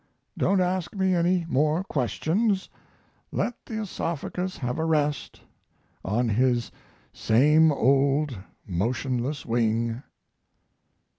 Don't ask me any more questions; let the oesophagus have a rest on his same old motionless wing.